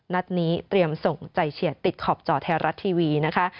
นัดนี้เตรียมส่งใจเฉียดติดขอบจ่อไทยรัฐทีวีนะคะ